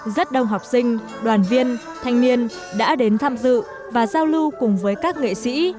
rất đông học sinh đoàn viên thanh niên đã đến tham dự và giao lưu cùng với các nghệ sĩ